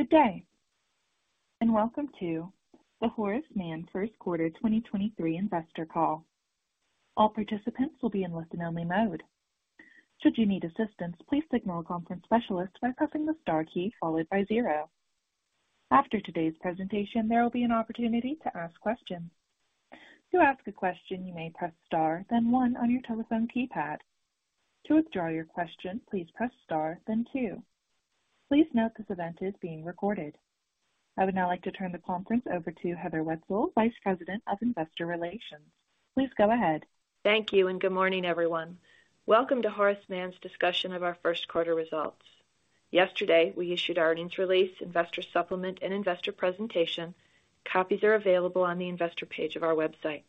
Good day, welcome to the Horace Mann first quarter 2023 investor call. All participants will be in listen-only mode. Should you need assistance, please signal a conference specialist by pressing the star key followed by 0. After today's presentation, there will be an opportunity to ask questions. To ask a question, you may press star then one on your telephone keypad. To withdraw your question, please press star then two. Please note this event is being recorded. I would now like to turn the conference over to Heather Wietzel, Vice President of Investor Relations. Please go ahead. Thank you and good morning, everyone. Welcome to Horace Mann's discussion of our first quarter results. Yesterday, we issued our earnings release, investor supplement, and investor presentation. Copies are available on the investor page of our website.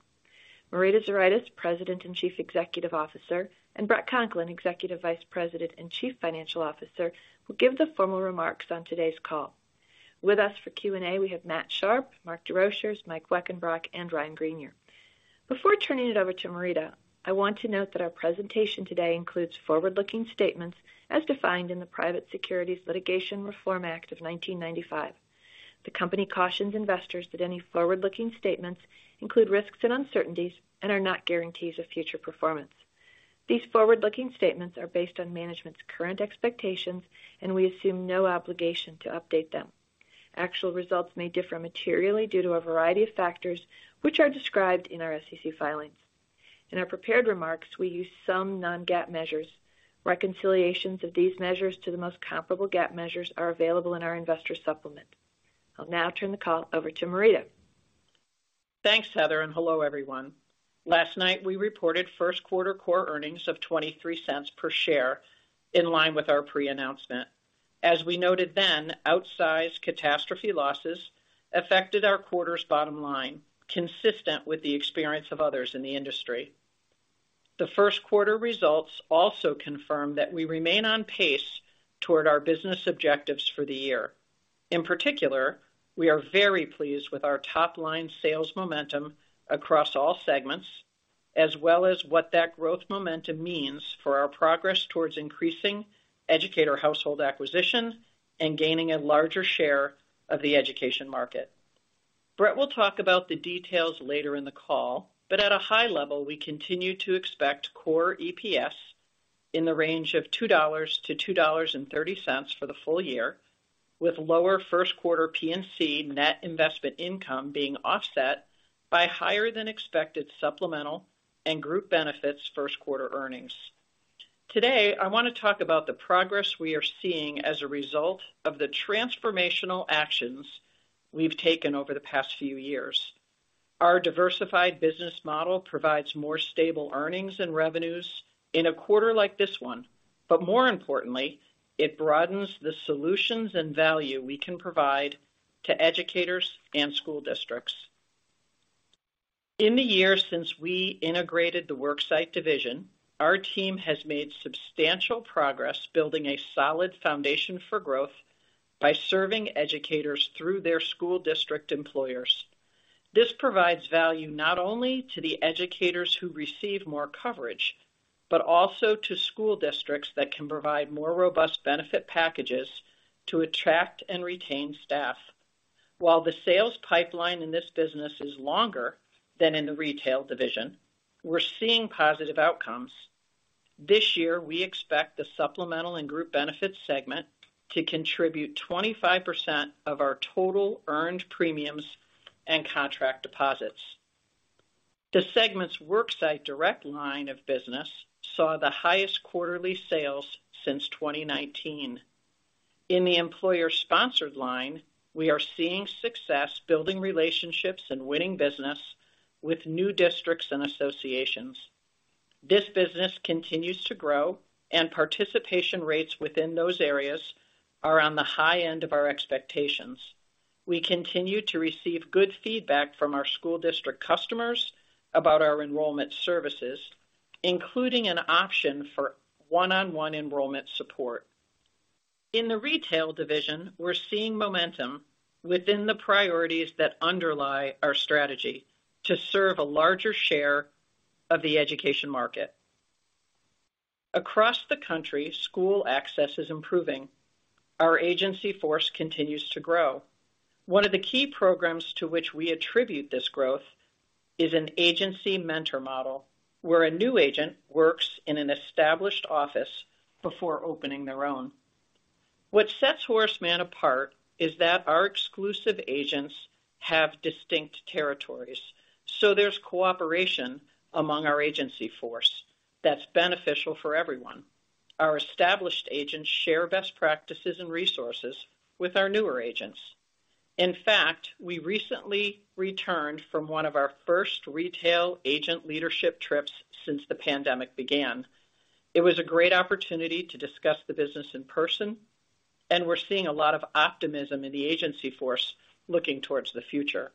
Marita Zuraitis, President and Chief Executive Officer, and Bret Conklin, Executive Vice President and Chief Financial Officer, will give the formal remarks on today's call. With us for Q&A, we have Matt Sharpe, Mark Desrochers, Mike Weckenbrock, and Ryan Greenier. Before turning it over to Marita, I want to note that our presentation today includes forward-looking statements as defined in the Private Securities Litigation Reform Act of 1995. The company cautions investors that any forward-looking statements include risks and uncertainties and are not guarantees of future performance. These forward-looking statements are based on management's current expectations, and we assume no obligation to update them. Actual results may differ materially due to a variety of factors, which are described in our SEC filings. In our prepared remarks, we use some non-GAAP measures. Reconciliations of these measures to the most comparable GAAP measures are available in our investor supplement. I'll now turn the call over to Marita. Thanks, Heather, and hello, everyone. Last night, we reported first quarter core earnings of $0.23 per share in line with our pre-announcement. As we noted then, outsized catastrophe losses affected our quarter's bottom line, consistent with the experience of others in the industry. The first quarter results also confirm that we remain on pace toward our business objectives for the year. In particular, we are very pleased with our top line sales momentum across all segments, as well as what that growth momentum means for our progress towards increasing educator household acquisition and gaining a larger share of the education market. Bret will talk about the details later in the call, but at a high level, we continue to expect core EPS in the range of $2.00-$2.30 for the full year, with lower first quarter P&C net investment income being offset by higher than expected supplemental and group benefits first quarter earnings. Today, I want to talk about the progress we are seeing as a result of the transformational actions we've taken over the past few years. Our diversified business model provides more stable earnings and revenues in a quarter like this one, but more importantly, it broadens the solutions and value we can provide to educators and school districts. In the years since we integrated the worksite division, our team has made substantial progress building a solid foundation for growth by serving educators through their school district employers. This provides value not only to the educators who receive more coverage, but also to school districts that can provide more robust benefit packages to attract and retain staff. While the sales pipeline in this business is longer than in the retail division, we're seeing positive outcomes. This year, we expect the Supplemental & Group Benefits segment to contribute 25% of our total earned premiums and contract deposits. The segment's worksite direct line of business saw the highest quarterly sales since 2019. In the employer-sponsored line, we are seeing success building relationships and winning business with new districts and associations. This business continues to grow and participation rates within those areas are on the high end of our expectations. We continue to receive good feedback from our school district customers about our enrollment services, including an option for one-on-one enrollment support. In the retail division, we're seeing momentum within the priorities that underlie our strategy to serve a larger share of the education market. Across the country, school access is improving. Our agency force continues to grow. One of the key programs to which we attribute this growth is an agency mentor model, where a new agent works in an established office before opening their own. What sets Horace Mann apart is that our exclusive agents have distinct territories, so there's cooperation among our agency force that's beneficial for everyone. Our established agents share best practices and resources with our newer agents. In fact, we recently returned from one of our first retail agent leadership trips since the pandemic began. It was a great opportunity to discuss the business in person, and we're seeing a lot of optimism in the agency force looking towards the future.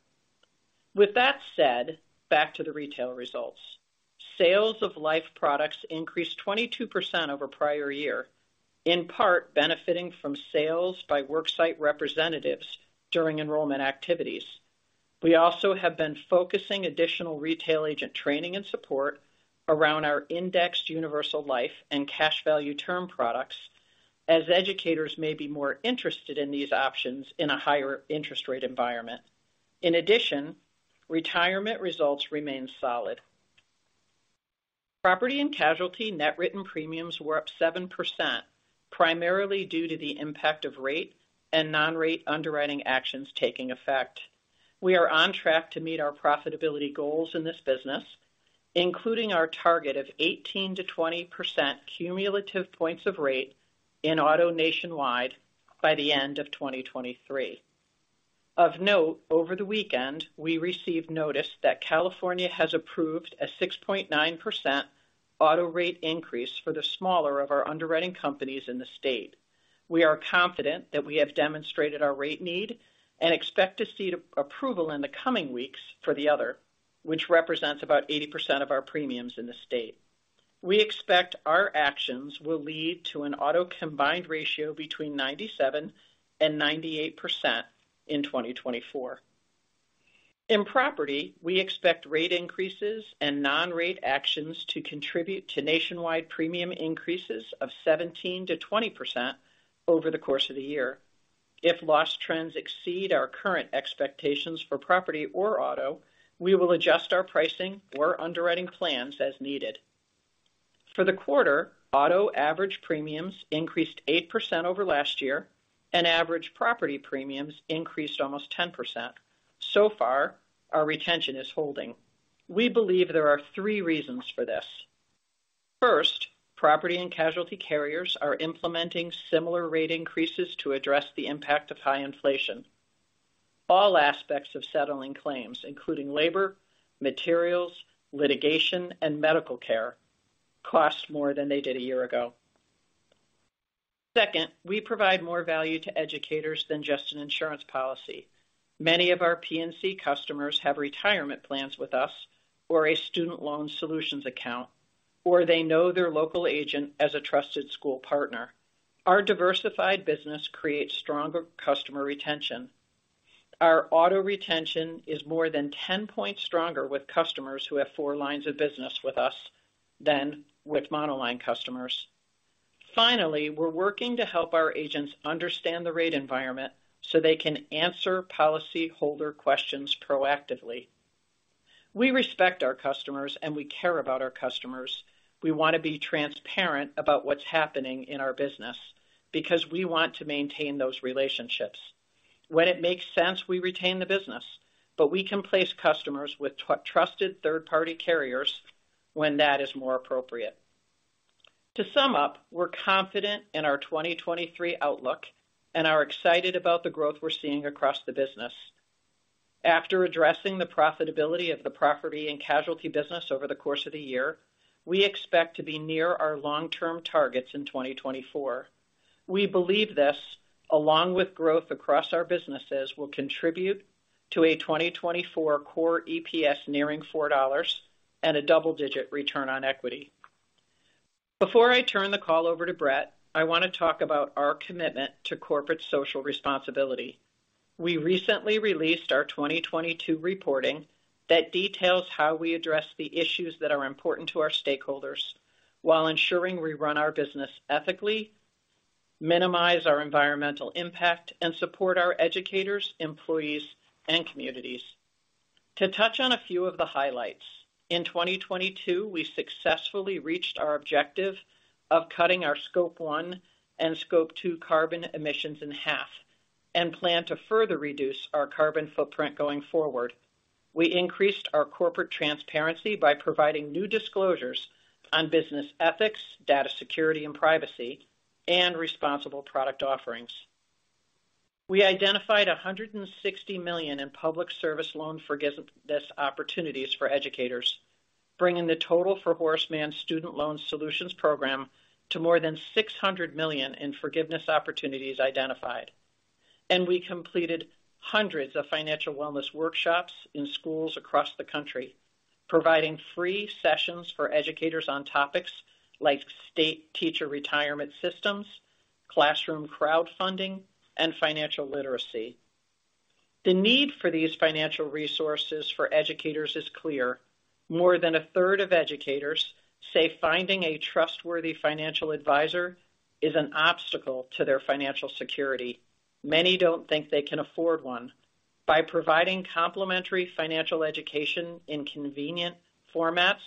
With that said, back to the retail results. Sales of life products increased 22% over prior year, in part benefiting from sales by worksite representatives during enrollment activities. We also have been focusing additional retail agent training and support around our indexed universal life and cash value term products as educators may be more interested in these options in a higher interest rate environment. In addition, retirement results remain solid. Property and Casualty net written premiums were up 7%, primarily due to the impact of rate and non-rate underwriting actions taking effect. We are on track to meet our profitability goals in this business, including our target of 18%-20% cumulative points of rate in auto nationwide by the end of 2023. Of note, over the weekend, we received notice that California has approved a 6.9% auto rate increase for the smaller of our underwriting companies in the state. We are confident that we have demonstrated our rate need and expect to see approval in the coming weeks for the other, which represents about 80% of our premiums in the state. We expect our actions will lead to an auto combined ratio between 97% and 98% in 2024. In property, we expect rate increases and non-rate actions to contribute to nationwide premium increases of 17%-20% over the course of the year. If loss trends exceed our current expectations for property or auto, we will adjust our pricing or underwriting plans as needed. For the quarter, auto average premiums increased 8% over last year, and average property premiums increased almost 10%. So far, our retention is holding. We believe there are three reasons for this. First, property and casualty carriers are implementing similar rate increases to address the impact of high inflation. All aspects of settling claims, including labor, materials, litigation, and medical care, cost more than they did a year ago. Second, we provide more value to educators than just an insurance policy. Many of our P&C customers have retirement plans with us or a Student Loan Solutions account, or they know their local agent as a trusted school partner. Our diversified business creates stronger customer retention. Our auto retention is more than 10 points stronger with customers who have four lines of business with us than with monoline customers. Finally, we're working to help our agents understand the rate environment so they can answer policyholder questions proactively. We respect our customers, and we care about our customers. We want to be transparent about what's happening in our business because we want to maintain those relationships. When it makes sense, we retain the business, but we can place customers with trusted third-party carriers when that is more appropriate. To sum up, we're confident in our 2023 outlook and are excited about the growth we're seeing across the business. After addressing the profitability of the property and casualty business over the course of the year, we expect to be near our long-term targets in 2024. We believe this, along with growth across our businesses, will contribute to a 2024 core EPS nearing $4 and a double-digit return on equity. Before I turn the call over to Bret, I want to talk about our commitment to corporate social responsibility. We recently released our 2022 reporting that details how we address the issues that are important to our stakeholders while ensuring we run our business ethically, minimize our environmental impact, and support our educators, employees, and communities. To touch on a few of the highlights, in 2022, we successfully reached our objective of cutting our Scope one and Scope two carbon emissions in half and plan to further reduce our carbon footprint going forward. We in one creased our corporate transparency by providing new disclosures on business ethics, data security, and privacy, and responsible product offerings. We identified $160 million in Public Service Loan Forgiveness opportunities for educators, bringing the total for Horace Mann's Student Loan Solutions program to more than $600 million in forgiveness opportunities identified. We completed hundreds of financial wellness workshops in schools across the country, providing free sessions for educators on topics like state teacher retirement systems, classroom crowdfunding, and financial literacy. The need for these financial resources for educators is clear. More than a third of educators say finding a trustworthy financial advisor is an obstacle to their financial security. Many don't think they can afford one. By providing complimentary financial education in convenient formats,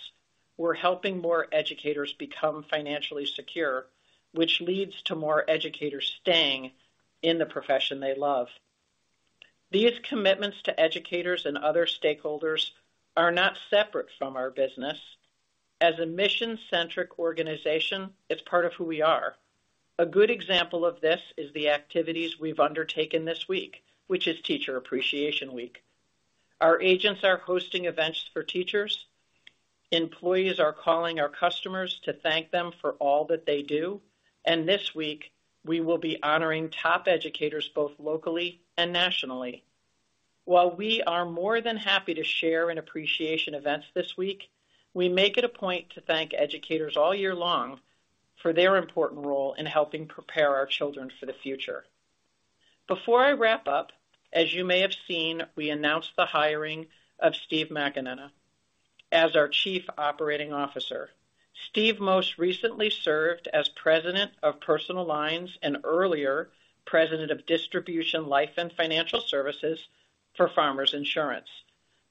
we're helping more educators become financially secure, which leads to more educators staying in the profession they love. These commitments to educators and other stakeholders are not separate from our business. As a mission-centric organization, it's part of who we are. A good example of this is the activities we've undertaken this week, which is Teacher Appreciation Week. Our agents are hosting events for teachers. Employees are calling our customers to thank them for all that they do. This week, we will be honoring top educators both locally and nationally. While we are more than happy to share in appreciation events this week, we make it a point to thank educators all year long. For their important role in helping prepare our children for the future. Before I wrap up, as you may have seen, we announced the hiring of Stephen McAnena as our Chief Operating Officer. Steve most recently served as president of Personal Lines and earlier, president of Distribution, Life and Financial Services for Farmers Insurance.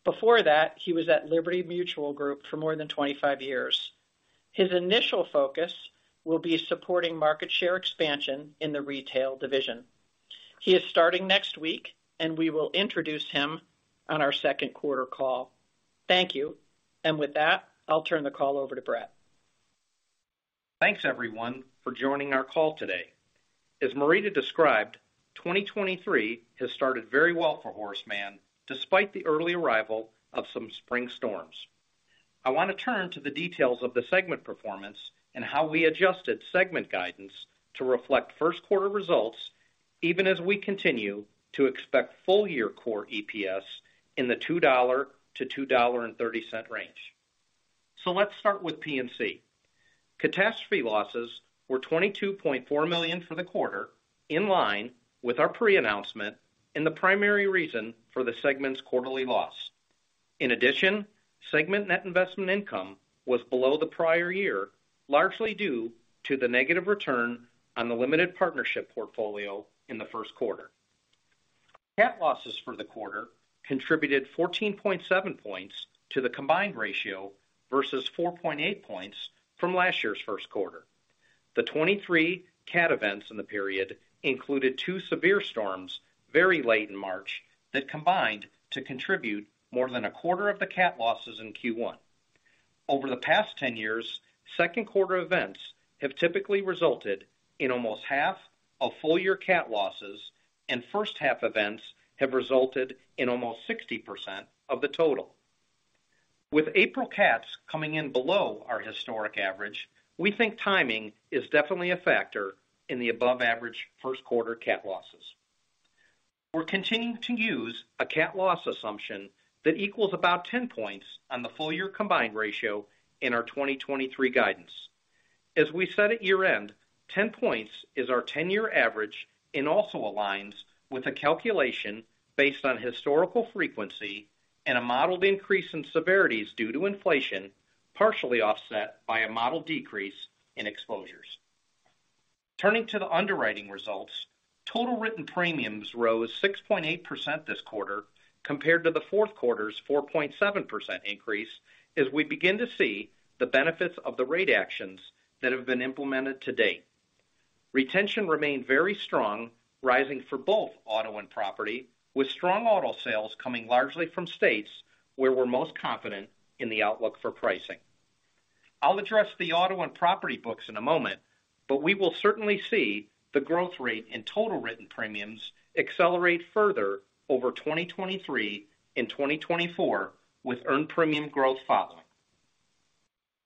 Before that, he was at Liberty Mutual Group for more than 25 years. His initial focus will be supporting market share expansion in the retail division. He is starting next week, and we will introduce him on our second quarter call. Thank you. With that, I'll turn the call over to Bret. Thanks, everyone, for joining our call today. As Marita described, 2023 has started very well for Horace Mann, despite the early arrival of some spring storms. I want to turn to the details of the segment performance and how we adjusted segment guidance to reflect first quarter results, even as we continue to expect full year core EPS in the $2.00-$2.30 range. Let's start with P&C. Catastrophe losses were $22.4 million for the quarter, in line with our pre-announcement and the primary reason for the segment's quarterly loss. In addition, segment net investment income was below the prior year, largely due to the negative return on the limited partnership portfolio in the first quarter. CAT losses for the quarter contributed 14.7 points to the combined ratio versus 4.8 points from last year's first quarter. The 23 CAT events in the period included two severe storms very late in March that combined to contribute more than a quarter of the CAT losses in Q1. Over the past 10 years, second quarter events have typically resulted in almost half of full-year CAT losses, and first-half events have resulted in almost 60% of the total. With April CATs coming in below our historic average, we think timing is definitely a factor in the above average first quarter CAT losses. We're continuing to use a CAT loss assumption that equals about 10 points on the full-year combined ratio in our 2023 guidance. As we said at year-end, 10 points is our 10-year average and also aligns with a calculation based on historical frequency and a modeled increase in severities due to inflation, partially offset by a modeled decrease in exposures. Turning to the underwriting results, total written premiums rose 6.8% this quarter compared to the fourth quarter's 4.7% increase as we begin to see the benefits of the rate actions that have been implemented to date. Retention remained very strong, rising for both auto and property, with strong auto sales coming largely from states where we're most confident in the outlook for pricing. I'll address the auto and property books in a moment, we will certainly see the growth rate in total written premiums accelerate further over 2023 and 2024, with earned premium growth following.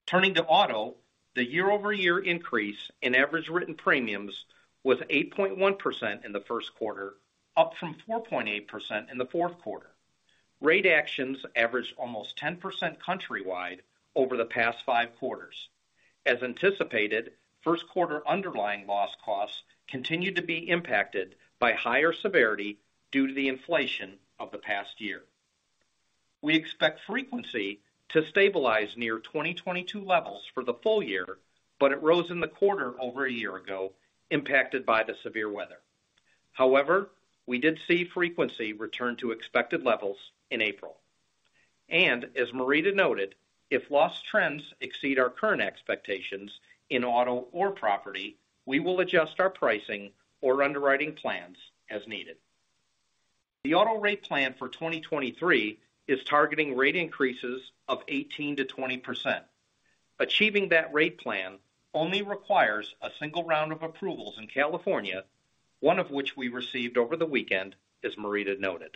Turning to auto, the year-over-year increase in average written premiums was 8.1% in the first quarter, up from 4.8% in the fourth quarter. Rate actions averaged almost 10% countrywide over the past five quarters. As anticipated, first quarter underlying loss costs continued to be impacted by higher severity due to the inflation of the past year. We expect frequency to stabilize near 2022 levels for the full year, but it rose in the quarter over a year ago, impacted by the severe weather. However, we did see frequency return to expected levels in April. As Marita noted, if loss trends exceed our current expectations in auto or property, we will adjust our pricing or underwriting plans as needed. The auto rate plan for 2023 is targeting rate increases of 18%-20%. Achieving that rate plan only requires a single round of approvals in California, one of which we received over the weekend, as Marita noted.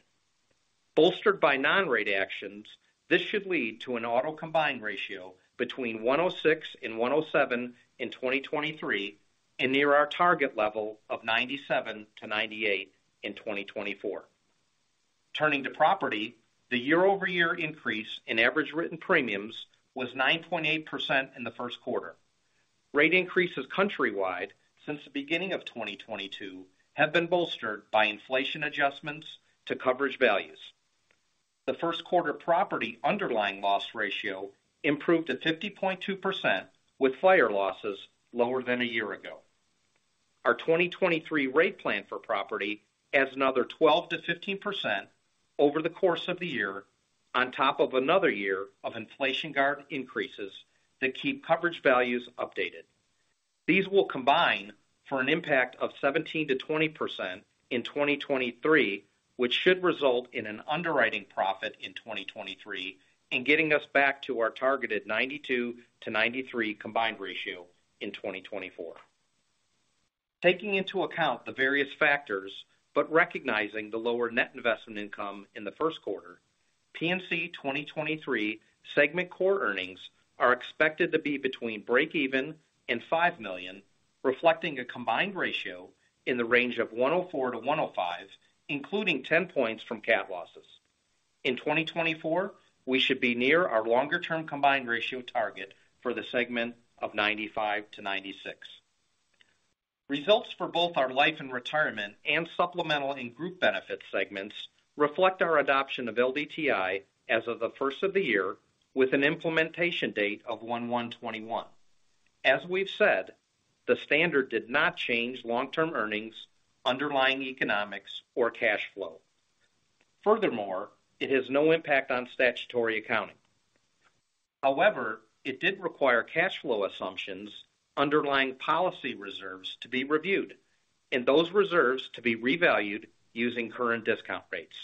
Bolstered by non-rate actions, this should lead to an auto combined ratio between 106 and 107 in 2023 and near our target level of 97 to 98 in 2024. Turning to property, the year-over-year increase in average written premiums was 9.8% in the first quarter. Rate increases countrywide since the beginning of 2022 have been bolstered by inflation adjustments to coverage values. The first quarter property underlying loss ratio improved to 50.2% with fire losses lower than a year ago. Our 2023 rate plan for property adds another 12%-15% over the course of the year on top of another year of inflation guard increases that keep coverage values updated. These will combine for an impact of 17%-20% in 2023, which should result in an underwriting profit in 2023 and getting us back to our targeted 92%-93% combined ratio in 2024. Taking into account the various factors, recognizing the lower net investment income in the first quarter, P&C 2023 segment core earnings are expected to be between breakeven and $5 million, reflecting a combined ratio in the range of 104%-105%, including 10 points from CAT losses. In 2024, we should be near our longer-term combined ratio target for the segment of 95%-96%. Results for both our Life & Retirement and Supplemental & Group Benefits segments reflect our adoption of LDTI as of the first of the year with an implementation date of 1/1/2021. As we've said, the standard did not change long-term earnings, underlying economics or cash flow. Furthermore, it has no impact on statutory accounting. However, it did require cash flow assumptions, underlying policy reserves to be reviewed, and those reserves to be revalued using current discount rates.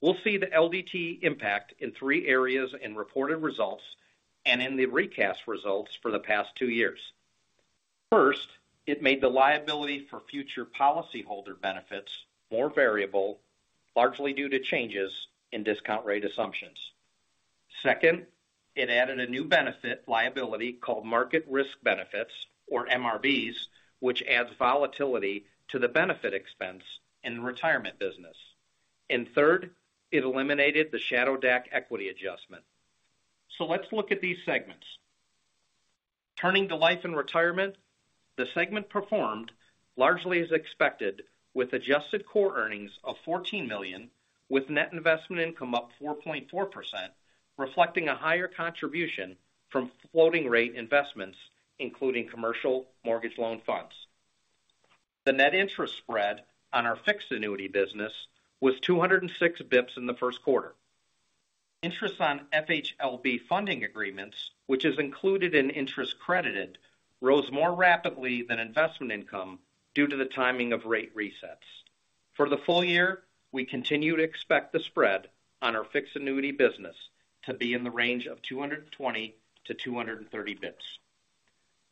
We'll see the LDTI impact in three areas in reported results and in the recast results for the past two years. First, it made the liability for future policyholder benefits more variable, largely due to changes in discount rate assumptions. Second, it added a new benefit liability called Market Risk Benefits, or MRBs, which adds volatility to the benefit expense in the retirement business. Third, it eliminated the shadow DAC equity adjustment. Let's look at these segments. Turning to life and retirement, the segment performed largely as expected with adjusted core earnings of $14 million, with net investment income up 4.4%, reflecting a higher contribution from floating rate investments, including commercial mortgage loan funds. The net interest spread on our fixed annuity business was 206 bips in the first quarter. Interest on FHLB funding agreements, which is included in interest credited, rose more rapidly than investment income due to the timing of rate resets. For the full year, we continue to expect the spread on our fixed annuity business to be in the range of 220-230 bips.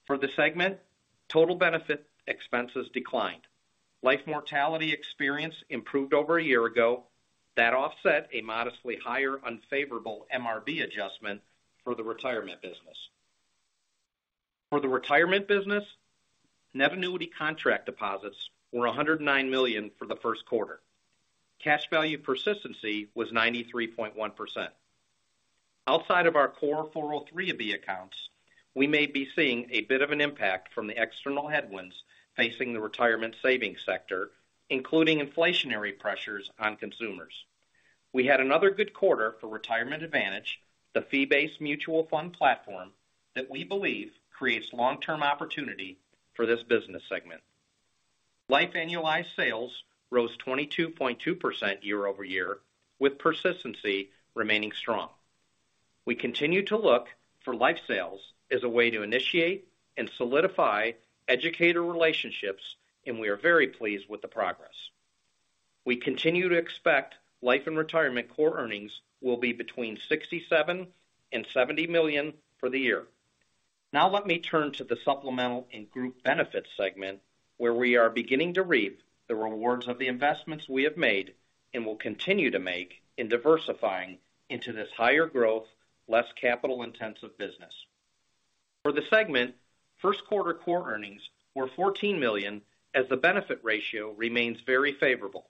For the segment, total benefit expenses declined. Life mortality experience improved over a year ago. That offset a modestly higher unfavorable MRB adjustment for the retirement business. For the retirement business, net annuity contract deposits were $109 million for the first quarter. Cash value persistency was 93.1%. Outside of our core 403(b) accounts, we may be seeing a bit of an impact from the external headwinds facing the retirement savings sector, including inflationary pressures on consumers. We had another good quarter for Retirement Advantage, the fee-based mutual fund platform that we believe creates long-term opportunity for this business segment. Life annualized sales rose 22.2% year-over-year, with persistency remaining strong. We continue to look for life sales as a way to initiate and solidify educator relationships, and we are very pleased with the progress. We continue to expect life and retirement core earnings will be between $67 million and $70 million for the year. Now let me turn to the supplemental and group benefits segment, where we are beginning to reap the rewards of the investments we have made and will continue to make in diversifying into this higher growth, less capital-intensive business. For the segment, first quarter core earnings were $14 million as the benefit ratio remains very favorable.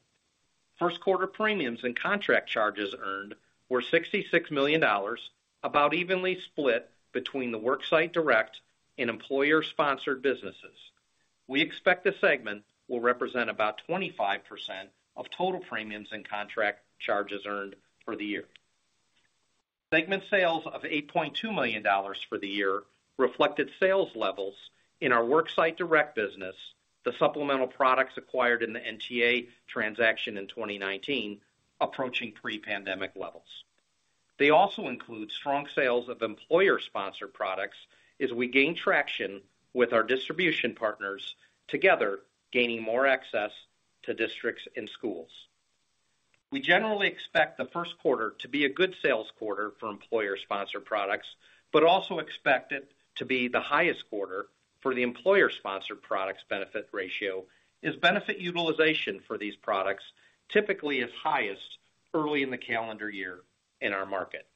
First quarter premiums and contract charges earned were $66 million, about evenly split between the worksite direct and employer-sponsored businesses. We expect the segment will represent about 25% of total premiums and contract charges earned for the year. Segment sales of $8.2 million for the year reflected sales levels in our worksite direct business, the supplemental products acquired in the NTA transaction in 2019 approaching pre-pandemic levels. They also include strong sales of employer-sponsored products as we gain traction with our distribution partners together gaining more access to districts and schools. We generally expect the first quarter to be a good sales quarter for employer-sponsored products, but also expect it to be the highest quarter for the employer-sponsored products benefit ratio as benefit utilization for these products typically is highest early in the calendar year in our market.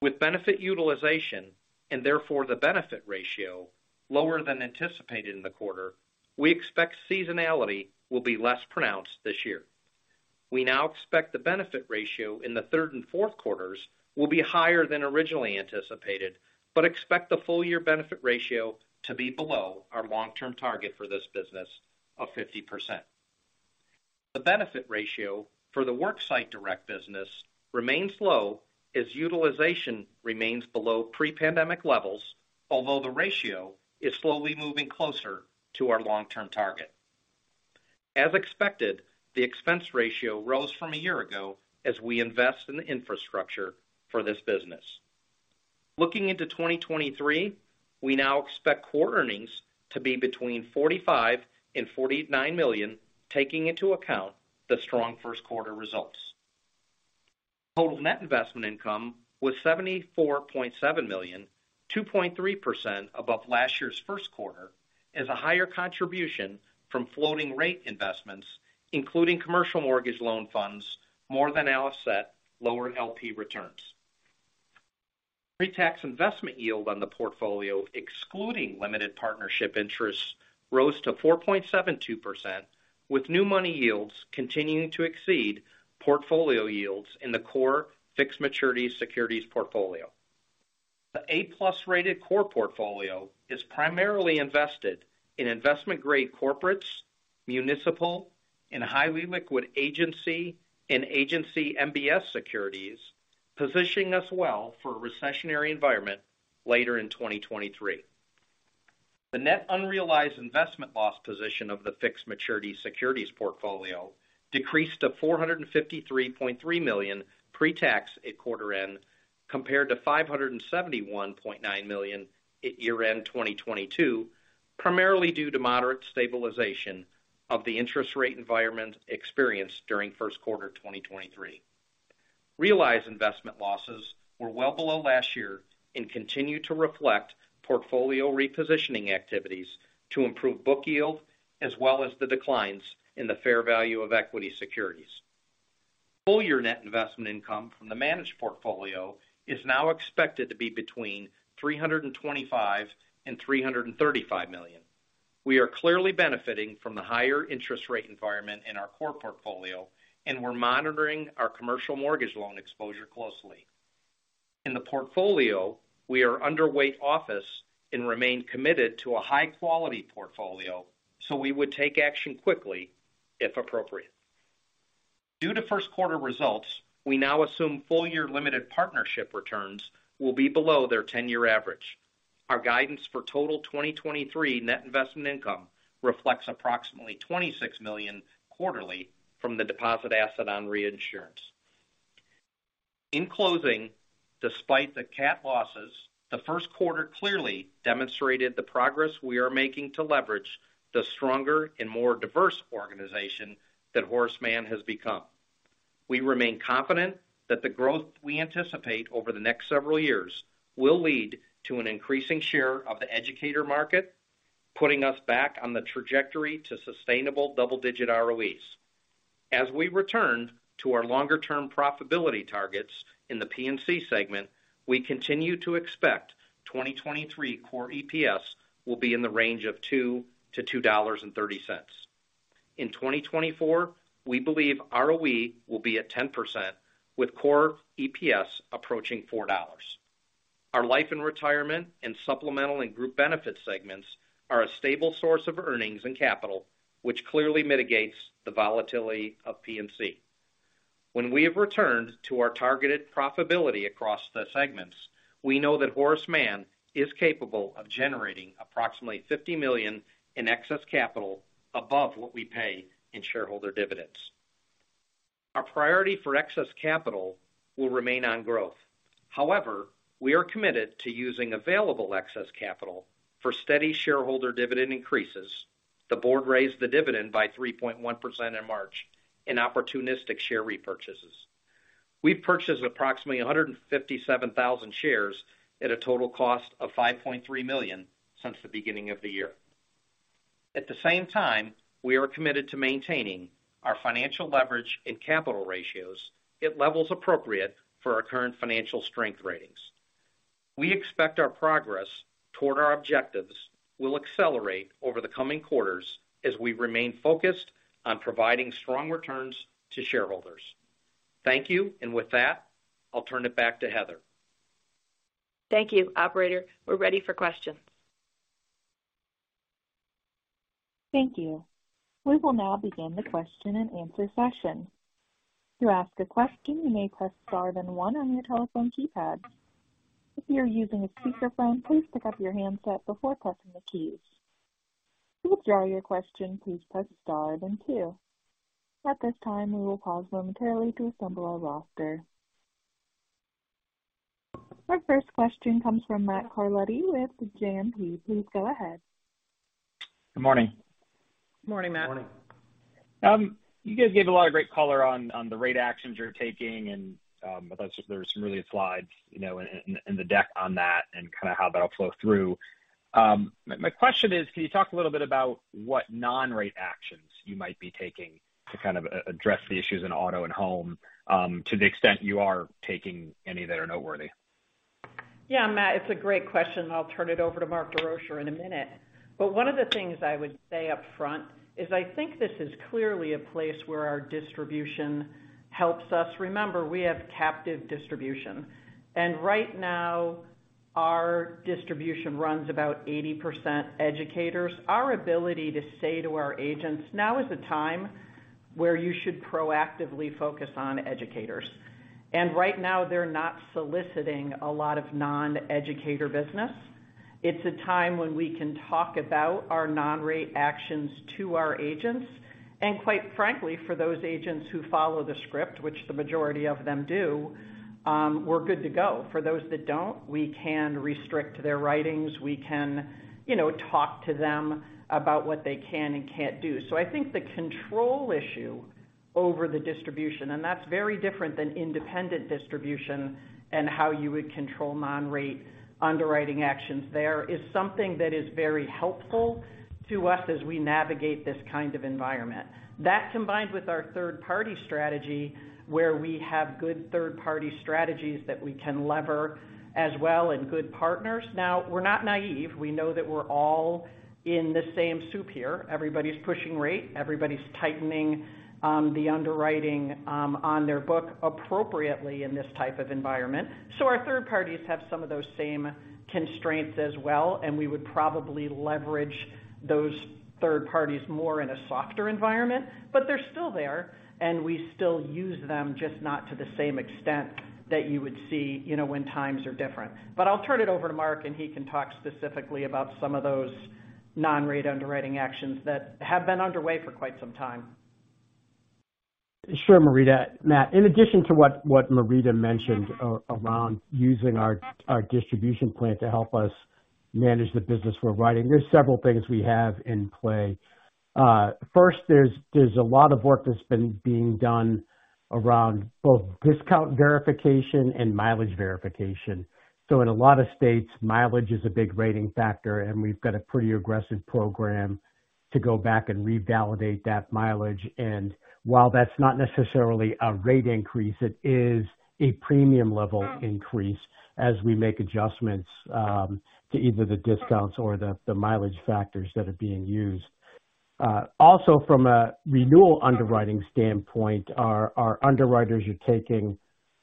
With benefit utilization, and therefore the benefit ratio, lower than anticipated in the quarter, we expect seasonality will be less pronounced this year. We now expect the benefit ratio in the third and fourth quarters will be higher than originally anticipated, but expect the full-year benefit ratio to be below our long-term target for this business of 50%. The benefit ratio for the worksite direct business remains low as utilization remains below pre-pandemic levels, although the ratio is slowly moving closer to our long-term target. As expected, the expense ratio rose from a year ago as we invest in the infrastructure for this business. Looking into 2023, we now expect core earnings to be between $45 million and $49 million, taking into account the strong first quarter results. Total net investment income was $74.7 million, 2.3% above last year's first quarter as a higher contribution from floating rate investments, including commercial mortgage loan funds more than offset lower LP returns. Pre-tax investment yield on the portfolio, excluding limited partnership interests, rose to 4.72%, with new money yields continuing to exceed portfolio yields in the core fixed maturity securities portfolio. The A-plus rated core portfolio is primarily invested in investment grade corporates, municipal and highly liquid agency and agency MBS securities, positioning us well for a recessionary environment later in 2023. The net unrealized investment loss position of the fixed maturity securities portfolio decreased to $453.3 million pre-tax at quarter end, compared to $571.9 million at year-end 2022, primarily due to moderate stabilization of the interest rate environment experienced during first quarter 2023. Realized investment losses were well below last year and continue to reflect portfolio repositioning activities to improve book yield, as well as the declines in the fair value of equity securities. Full year net investment income from the managed portfolio is now expected to be between $325 million and $335 million. We are clearly benefiting from the higher interest rate environment in our core portfolio, and we're monitoring our commercial mortgage loan exposure closely. In the portfolio, we are underweight office and remain committed to a high-quality portfolio, so we would take action quickly if appropriate. Due to first quarter results, we now assume full year limited partnership returns will be below their 10-year average. Our guidance for total 2023 net investment income reflects approximately $26 million quarterly from the deposit asset on reinsurance. In closing, despite the CAT losses, the first quarter clearly demonstrated the progress we are making to leverage the stronger and more diverse organization that Horace Mann has become. We remain confident that the growth we anticipate over the next several years will lead to an increasing share of the educator market, putting us back on the trajectory to sustainable double-digit ROEs. As we return to our longer-term profitability targets in the P&C segment, we continue to expect 2023 core EPS will be in the range of $2.00-$2.30. In 2024, we believe ROE will be at 10%, with core EPS approaching $4.00. Our life and retirement and supplemental and group benefits segments are a stable source of earnings and capital, which clearly mitigates the volatility of P&C. When we have returned to our targeted profitability across the segments, we know that Horace Mann is capable of generating approximately $50 million in excess capital above what we pay in shareholder dividends. Our priority for excess capital will remain on growth. However, we are committed to using available excess capital for steady shareholder dividend increases. The board raised the dividend by 3.1% in March in opportunistic share repurchases. We purchased approximately 157,000 shares at a total cost of $5.3 million since the beginning of the year. At the same time, we are committed to maintaining our financial leverage and capital ratios at levels appropriate for our current financial strength ratings. We expect our progress toward our objectives will accelerate over the coming quarters as we remain focused on providing strong returns to shareholders. Thank you. With that, I'll turn it back to Heather. Thank you. Operator, we're ready for questions. Thank you. We will now begin the question-and-answer session. To ask a question, you may press star then one on your telephone keypad. If you are using a speakerphone, please pick up your handset before pressing the keys. To withdraw your question, please press star then two. At this time, we will pause momentarily to assemble our roster. Our first question comes from Matt Carletti with JMP. Please go ahead. Good morning. Good morning, Matt. Good morning. You guys gave a lot of great color on the rate actions you're taking and there's some really slides, you know, in the deck on that and kind of how that'll flow through. My question is, can you talk a little bit about what non-rate actions you might be taking to kind of address the issues in auto and home, to the extent you are taking any that are noteworthy? Yeah, Matt, it's a great question. I'll turn it over to Mark Desrochers in a minute. But one of the things I would say upfront is I think this is clearly a place where our distribution helps us. Remember, we have captive distribution, and right now our distribution runs about 80% educators. Our ability to say to our agents, "Now is the time where you should proactively focus on educators." Right now they're not soliciting a lot of non-educator business. It's a time when we can talk about our non-rate actions to our agents. Quite frankly, for those agents who follow the script, which the majority of them do, we're good to go. For those that don't, we can restrict their writings. We can, you know, talk to them about what they can and can't do. I think the control issue over the distribution, and that's very different than independent distribution and how you would control non-rate underwriting actions there, is something that is very helpful to us as we navigate this kind of environment. That combined with our third-party strategy, where we have good third-party strategies that we can lever as well and good partners. We're not naive. We know that we're all in the same soup here. Everybody's pushing rate. Everybody's tightening the underwriting on their book appropriately in this type of environment. Our third parties have some of those same constraints as well, and we would probably leverage those third parties more in a softer environment. They're still there, and we still use them, just not to the same extent that you would see, you know, when times are different. I'll turn it over to Mark, and he can talk specifically about some of those non-rate underwriting actions that have been underway for quite some time. Sure, Marita. Matt, in addition to what Marita mentioned around using our distribution plan to help us manage the business we're writing, there's several things we have in play. First, there's a lot of work that's been being done around both discount verification and mileage verification. In a lot of states, mileage is a big rating factor, and we've got a pretty aggressive program to go back and revalidate that mileage. While that's not necessarily a rate increase, it is a premium level increase as we make adjustments to either the discounts or the mileage factors that are being used. Also from a renewal underwriting standpoint, our underwriters are taking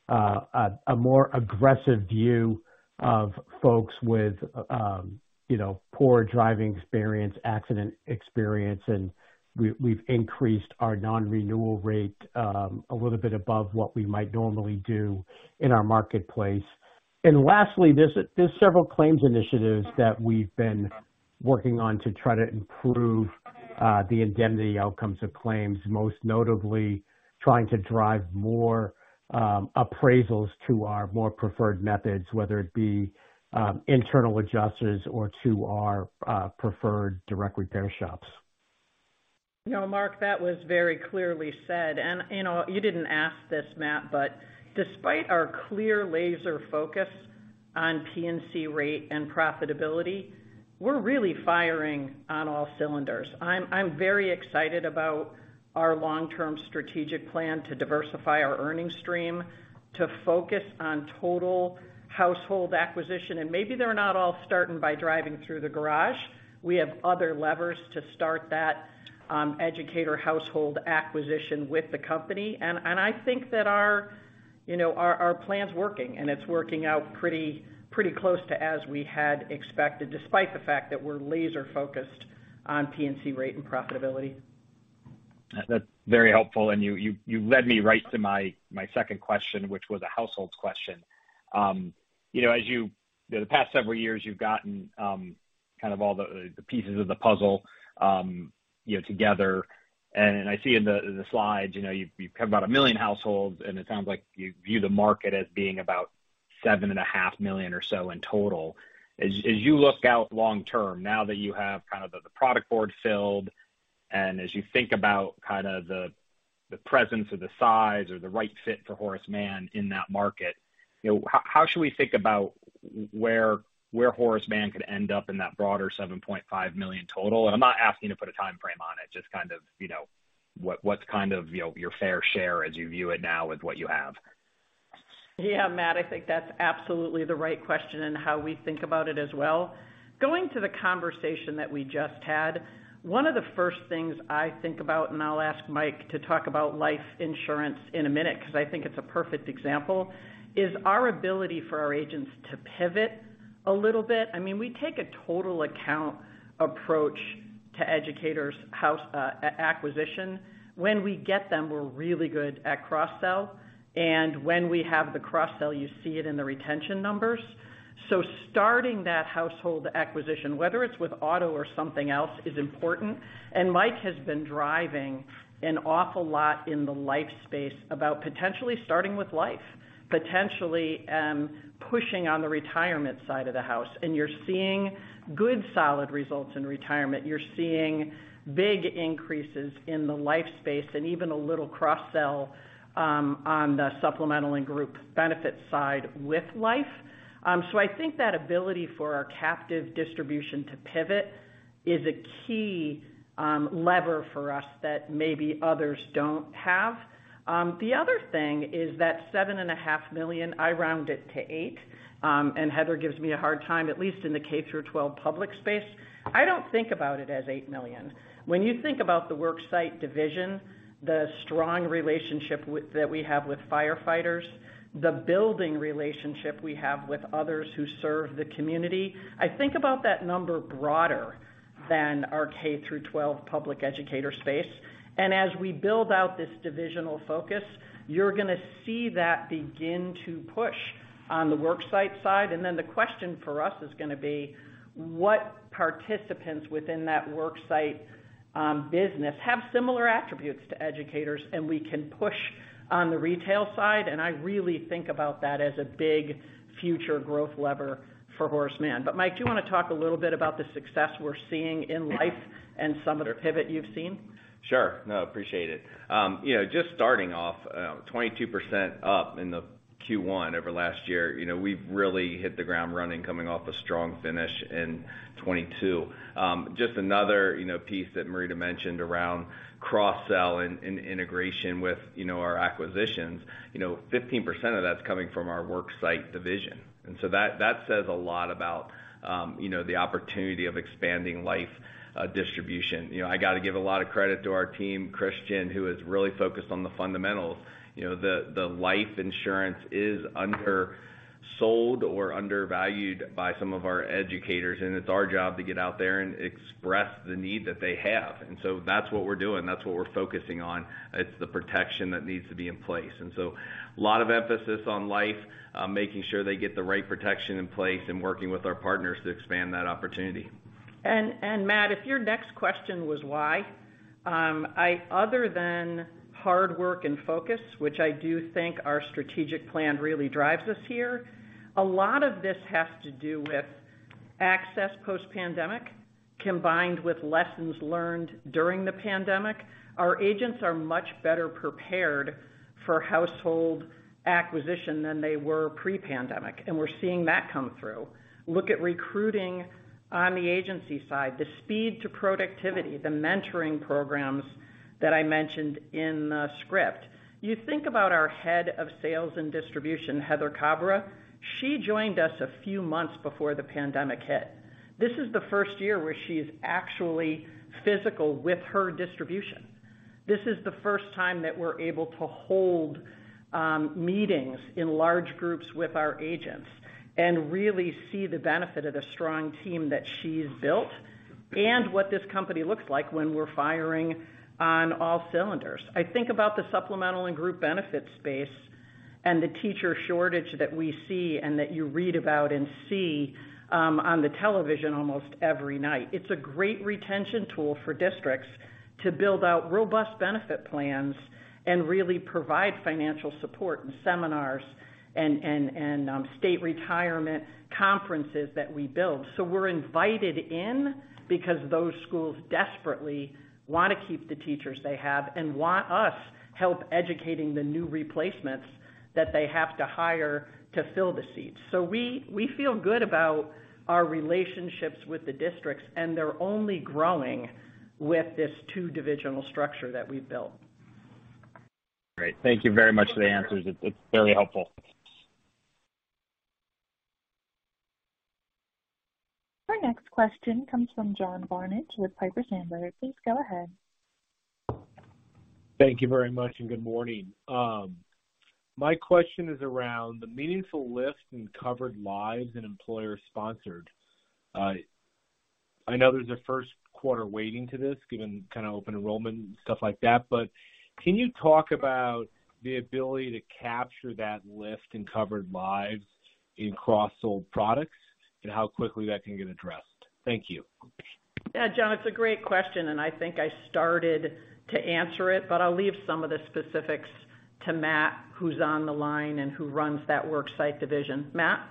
a more aggressive view of folks with, you know, poor driving experience, accident experience, and we've increased our non-renewal rate a little bit above what we might normally do in our marketplace. Lastly, there's several claims initiatives that we've been working on to try to improve the indemnity outcomes of claims, most notably trying to drive more appraisals to our more preferred methods, whether it be internal adjusters or to our preferred direct repair shops. You know, Mark, that was very clearly said. You know, you didn't ask this, Matt, but despite our clear laser focus on P&C rate and profitability, we're really firing on all cylinders. I'm very excited about our long-term strategic plan to diversify our earnings stream, to focus on total household acquisition. Maybe they're not all starting by driving through the garage. We have other levers to start that educator household acquisition with the company. And I think that our, you know, our plan's working and it's working out pretty close to as we had expected, despite the fact that we're laser focused on P&C rate and profitability. That's very helpful. You led me right to my second question, which was a households question. You know, as you the past several years, you've gotten kind of all the pieces of the puzzle, you know, together. I see in the slides, you've got about 1 million households, and it sounds like you view the market as being about 7.5 million or so in total. As you look out long term, now that you have kind of the product board filled, and as you think about kind of the presence or the size or the right fit for Horace Mann in that market, you know, how should we think about where Horace Mann could end up in that broader 7.5 million total? I'm not asking to put a timeframe on it, just kind of, you know, what's kind of, you know, your fair share as you view it now with what you have? Yeah, Matt, I think that's absolutely the right question and how we think about it as well. Going to the conversation that we just had, one of the first things I think about, and I'll ask Mike to talk about life insurance in a minute 'cause I think it's a perfect example, is our ability for our agents to pivot a little bit. I mean, we take a total account approach to educators household acquisition. When we get them, we're really good at cross-sell. When we have the cross-sell, you see it in the retention numbers. Starting that household acquisition, whether it's with auto or something else, is important. Mike has been driving an awful lot in the life space about potentially starting with life, potentially, pushing on the retirement side of the house. You're seeing good, solid results in retirement. You're seeing big increases in the life space and even a little cross-sell on the Supplemental & Group Benefits side with life. I think that ability for our captive distribution to pivot is a key lever for us that maybe others don't have. The other thing is that $7.5 million, I round it to 8, and Heather gives me a hard time, at least in the K-12 public space. I don't think about it as $8 million. When you think about the worksite division, the strong relationship that we have with firefighters, the building relationship we have with others who serve the community. I think about that number broader than our K-12 public educator space. As we build out this divisional focus, you're gonna see that begin to push on the worksite side. The question for us is gonna be what participants within that worksite business have similar attributes to educators and we can push on the retail side. I really think about that as a big future growth lever for Horace Mann. Mike, do you wanna talk a little bit about the success we're seeing in life and some of the pivot you've seen? Sure. No, appreciate it. you know, just starting off, 22% up in the Q1 over last year. You know, we've really hit the ground running, coming off a strong finish in 2022. just another, you know, piece that Marita mentioned around cross-sell and integration with, you know, our acquisitions. You know, 15% of that's coming from our worksite division. that says a lot about, you know, the opportunity of expanding life distribution. You know, I gotta give a lot of credit to our team, Christian, who is really focused on the fundamentals. You know, the life insurance is undersold or undervalued by some of our educators, and it's our job to get out there and express the need that they have. that's what we're doing. That's what we're focusing on. It's the protection that needs to be in place. A lot of emphasis on life, making sure they get the right protection in place and working with our partners to expand that opportunity. Matt, if your next question was why, other than hard work and focus, which I do think our strategic plan really drives us here, a lot of this has to do with access post-pandemic, combined with lessons learned during the pandemic. Our agents are much better prepared for household acquisition than they were pre-pandemic, and we're seeing that come through. Look at recruiting on the agency side, the speed to productivity, the mentoring programs that I mentioned in the script. You think about our head of sales and distribution, Heather Caban. She joined us a few months before the pandemic hit. This is the first year where she's actually physical with her distribution. This is the first time that we're able to hold meetings in large groups with our agents and really see the benefit of the strong team that she's built and what this company looks like when we're firing on all cylinders. I think about the supplemental and group benefit space and the teacher shortage that we see and that you read about and see on the television almost every night. It's a great retention tool for districts to build out robust benefit plans and really provide financial support in seminars and state retirement conferences that we build. We're invited in because those schools desperately wanna keep the teachers they have and want us help educating the new replacements that they have to hire to fill the seats. We feel good about our relationships with the districts, and they're only growing with this two divisional structure that we built. Great. Thank you very much for the answers. It's very helpful. Our next question comes from John Barnidge with Piper Sandler. Please go ahead. Thank you very much. Good morning. My question is around the meaningful lift in covered lives and employer-sponsored. I know there's a first quarter weighting to this, given kind of open enrollment and stuff like that, but can you talk about the ability to capture that lift in covered lives in cross-sold products and how quickly that can get addressed? Thank you. Yeah, John, it's a great question, and I think I started to answer it, but I'll leave some of the specifics to Matt, who's on the line and who runs that worksite division. Matt?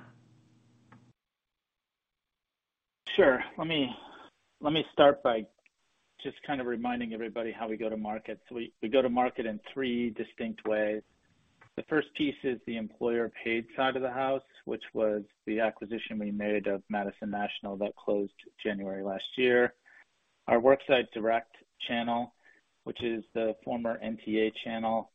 Sure. Let me start by just kind of reminding everybody how we go to market. We go to market in three distinct ways. The first piece is the employer paid side of the house, which was the acquisition we made of Madison National that closed January last year. Our worksite direct channel, which is the former NTA channel,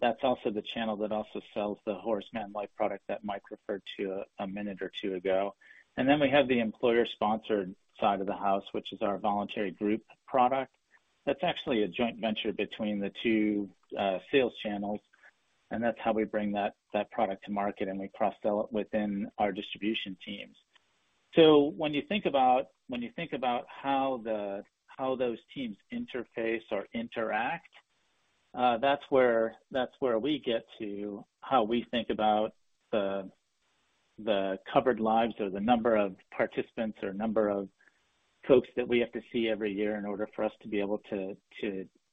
that's also the channel that also sells the Horace Mann Life product that Mike referred to a minute or two ago. We have the employer-sponsored side of the house, which is our voluntary group product. That's actually a joint venture between the two sales channels, that's how we bring that product to market, we cross-sell it within our distribution teams. When you think about how those teams interface or interact, that's where we get to how we think about the covered lives or the number of participants or number of folks that we have to see every year in order for us to be able to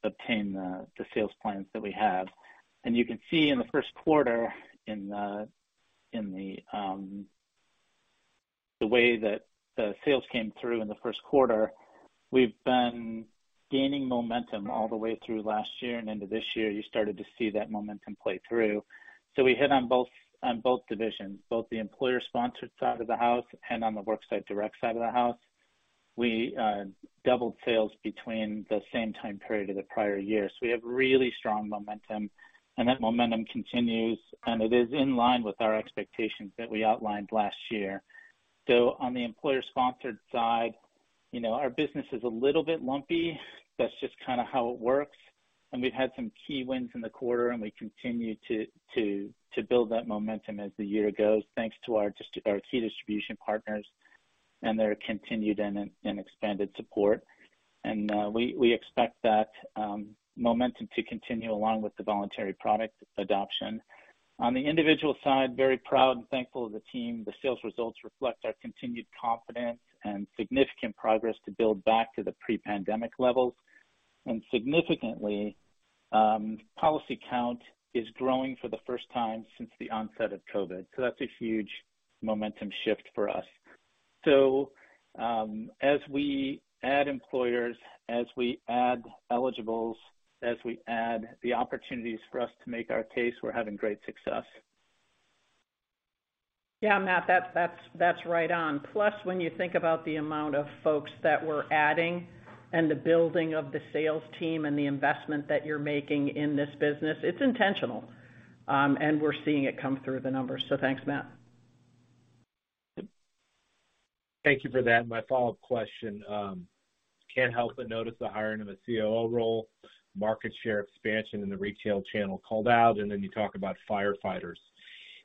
obtain the sales plans that we have. You can see in the first quarter in the way that the sales came through in the first quarter We've been gaining momentum all the way through last year and into this year. You started to see that momentum play through. We hit on both divisions, both the employer-sponsored side of the house and on the work site direct side of the house. We doubled sales between the same time period of the prior year. We have really strong momentum, and that momentum continues, and it is in line with our expectations that we outlined last year. On the employer-sponsored side, you know, our business is a little bit lumpy. That's just kind of how it works. We've had some key wins in the quarter, and we continue to build that momentum as the year goes, thanks to our key distribution partners and their continued and expanded support. We expect that momentum to continue along with the voluntary product adoption. On the individual side, very proud and thankful of the team. The sales results reflect our continued confidence and significant progress to build back to the pre-pandemic levels. Significantly, policy count is growing for the first time since the onset of COVID. That's a huge momentum shift for us. As we add employers, as we add eligibles, as we add the opportunities for us to make our case, we're having great success. Yeah, Matt, that's right on. When you think about the amount of folks that we're adding and the building of the sales team and the investment that you're making in this business, it's intentional. We're seeing it come through the numbers. Thanks, Matt. Thank you for that. My follow-up question. Can't help but notice the hiring of a COO role, market share expansion in the retail channel called out, and then you talk about firefighters.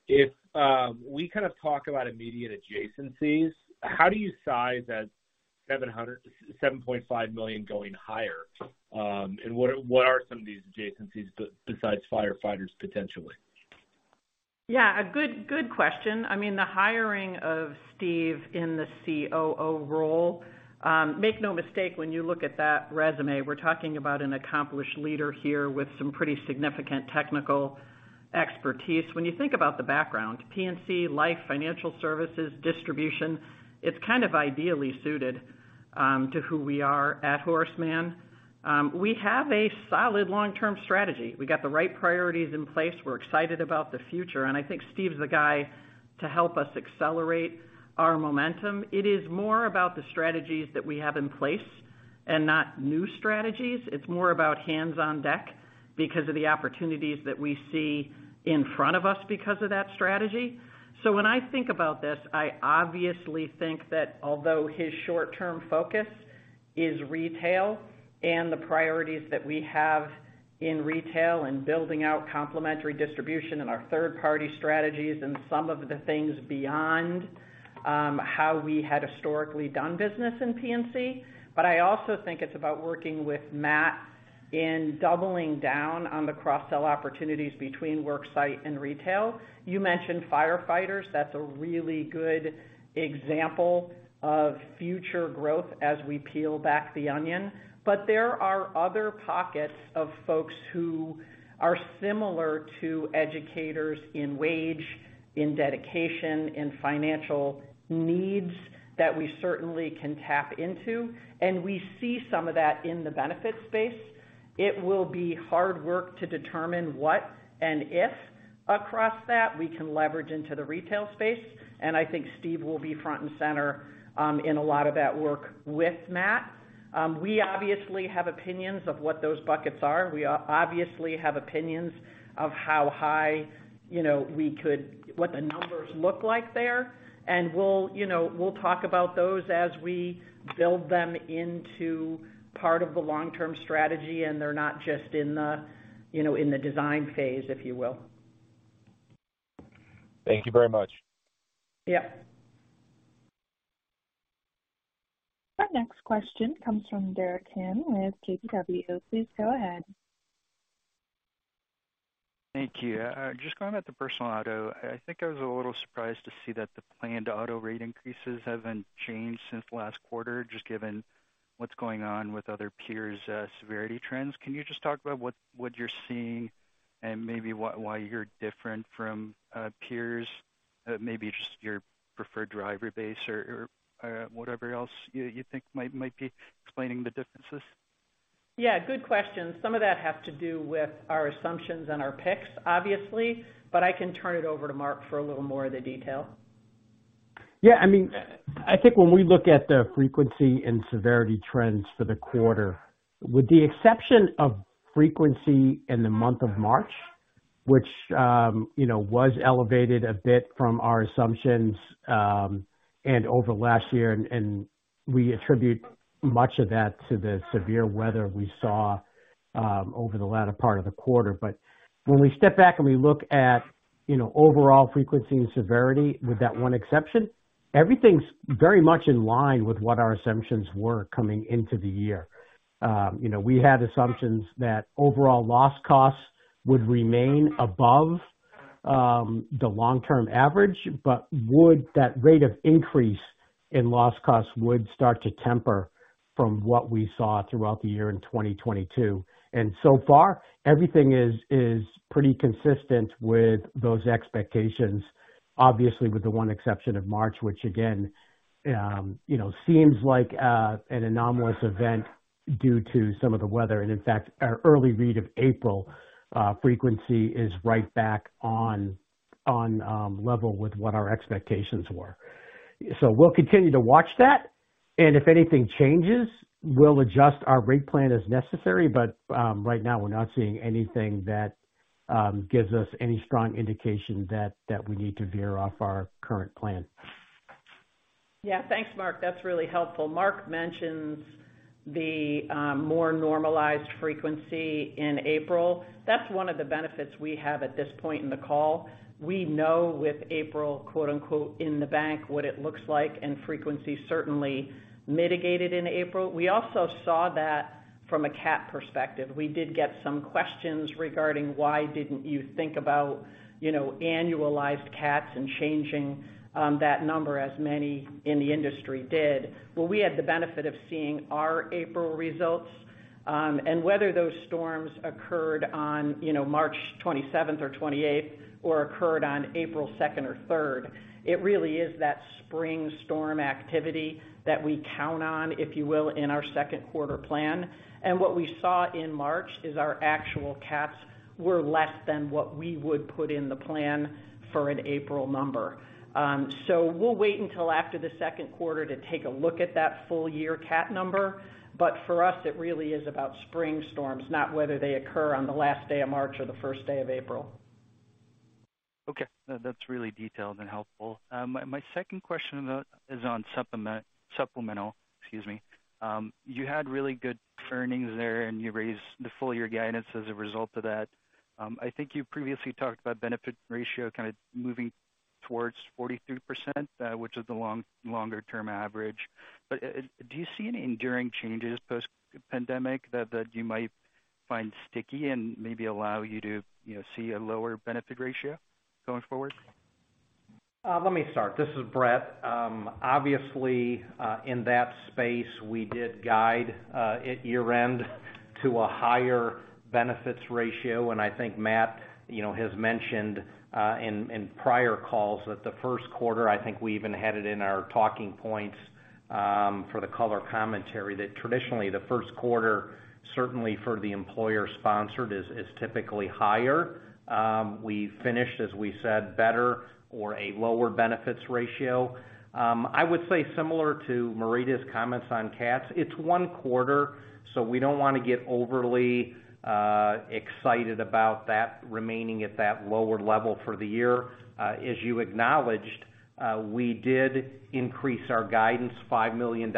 We kind of talk about immediate adjacencies, how do you size that $7.5 million going higher? What are some of these adjacencies besides firefighters, potentially? Yeah, a good question. I mean, the hiring of Steve in the COO role, make no mistake, when you look at that resume, we're talking about an accomplished leader here with some pretty significant technical expertise. When you think about the background, P&C Life, financial services, distribution, it's kind of ideally suited to who we are at Horace Mann. We have a solid long-term strategy. We got the right priorities in place. We're excited about the future, and I think Steve is the guy to help us accelerate our momentum. It is more about the strategies that we have in place and not new strategies. It's more about hands on deck because of the opportunities that we see in front of us because of that strategy. When I think about this, I obviously think that although his short-term focus is retail and the priorities that we have in retail and building out complementary distribution and our third-party strategies and some of the things beyond, how we had historically done business in P&C. I also think it's about working with Matt in doubling down on the cross-sell opportunities between work site and retail. You mentioned firefighters. That's a really good example of future growth as we peel back the onion. There are other pockets of folks who are similar to educators in wage, in dedication, in financial needs that we certainly can tap into, and we see some of that in the benefits space. It will be hard work to determine what and if across that we can leverage into the retail space, and I think Steve will be front and center in a lot of that work with Matt. We obviously have opinions of what those buckets are. We obviously have opinions of how high, you know, what the numbers look like there. We'll, you know, we'll talk about those as we build them into part of the long-term strategy, and they're not just in the, you know, in the design phase, if you will. Thank you very much. Yeah. Our next question comes from Derek Kim with KBW. Please go ahead. Thank you. Just going at the personal auto, I think I was a little surprised to see that the planned auto rate increases haven't changed since last quarter, just given what's going on with other peers' severity trends. Can you just talk about what you're seeing and maybe why you're different from peers? Maybe just your preferred driver base or, whatever else you think might be explaining the differences. Yeah, good question. Some of that has to do with our assumptions and our picks, obviously, but I can turn it over to Mark for a little more of the detail. Yeah. I mean, I think when we look at the frequency and severity trends for the quarter, with the exception of frequency in the month of March, which, you know, was elevated a bit from our assumptions, and over last year, and we attribute much of that to the severe weather we saw, over the latter part of the quarter. When we step back and we look at, you know, overall frequency and severity, with that one exception, everything's very much in line with what our assumptions were coming into the year. You know, we had assumptions that overall loss costs would remain above The long term average, that rate of increase in loss costs would start to temper from what we saw throughout the year in 2022. So far, everything is pretty consistent with those expectations. Obviously, with the one exception of March, which again, you know, seems like an anomalous event due to some of the weather. In fact, our early read of April frequency is right back on level with what our expectations were. We'll continue to watch that, and if anything changes, we'll adjust our rate plan as necessary. Right now, we're not seeing anything that gives us any strong indication that we need to veer off our current plan. Yeah, thanks, Mark. That's really helpful. Mark mentions the more normalized frequency in April. That's one of the benefits we have at this point in the call. We know with April quote-unquote, in the bank, what it looks like, and frequency certainly mitigated in April. We also saw that from a CAT perspective. We did get some questions regarding why didn't you think about, you know, annualized CATs and changing that number as many in the industry did. We had the benefit of seeing our April results, and whether those storms occurred on, you know, March 27th or 28th or occurred on April 2nd or 3rd, it really is that spring storm activity that we count on, if you will, in our second quarter plan. What we saw in March is our actual CATs were less than what we would put in the plan for an April number. We'll wait until after the second quarter to take a look at that full year CAT number. For us, it really is about spring storms, not whether they occur on the last day of March or the first day of April. Okay. No, that's really detailed and helpful. My second question about is on supplemental, excuse me. You had really good earnings there, you raised the full year guidance as a result of that. I think you previously talked about benefit ratio kinda moving towards 43%, which is the long-term average. Do you see any enduring changes post-pandemic that you might find sticky and maybe allow you to, you know, see a lower benefit ratio going forward? Let me start. This is Bret. Obviously, in that space, we did guide at year-end to a higher benefits ratio. I think Matt, you know, has mentioned in prior calls that the first quarter, I think we even had it in our talking points for the color commentary, that traditionally, the first quarter, certainly for the employer-sponsored is typically higher. We finished, as we said, better or a lower benefits ratio. I would say similar to Marita's comments on CATs. It's one quarter, so we don't wanna get overly excited about that remaining at that lower level for the year. As you acknowledged, we did increase our guidance $5 million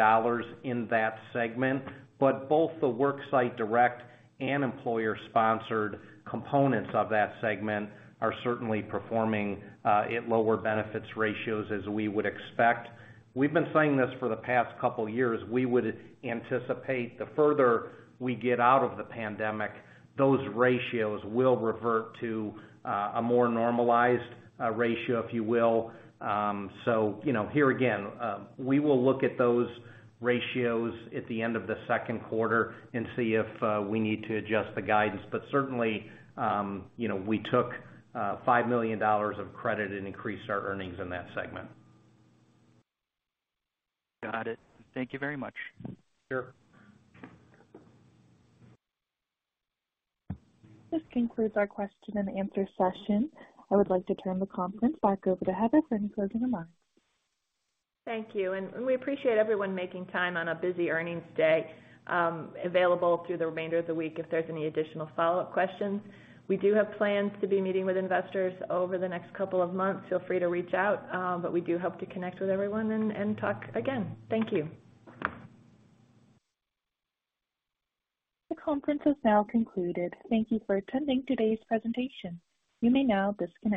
in that segment. both the worksite direct and employer-sponsored components of that segment are certainly performing at lower benefits ratios as we would expect. We've been saying this for the past couple years. We would anticipate the further we get out of the pandemic, those ratios will revert to a more normalized ratio, if you will. you know, here again, we will look at those ratios at the end of the second quarter and see if we need to adjust the guidance. certainly, you know, we took $5 million of credit and increased our earnings in that segment. Got it. Thank you very much. Sure. This concludes our question and answer session. I would like to turn the conference back over to Heather for any closing remarks. Thank you. We appreciate everyone making time on a busy earnings day. Available through the remainder of the week if there's any additional follow-up questions. We do have plans to be meeting with investors over the next couple of months. Feel free to reach out. We do hope to connect with everyone and talk again. Thank you. The conference is now concluded. Thank you for attending today's presentation. You may now disconnect.